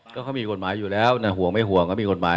ก็เขามีกฎหมายอยู่แล้วนะห่วงไม่ห่วงเขามีกฎหมาย